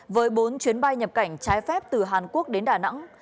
với bốn chuyến bay nhập cảnh trái phép từ hàn quốc đến đà nẵng